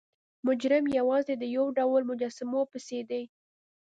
مجرم یوازې د یو ډول مجسمو پسې دی.